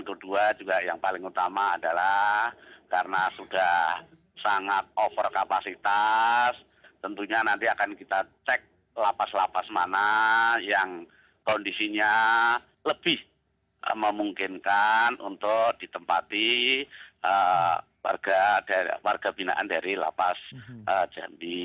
kedua juga yang paling utama adalah karena sudah sangat over kapasitas tentunya nanti akan kita cek lapas lapas mana yang kondisinya lebih memungkinkan untuk ditempati warga binaan dari lapas jambi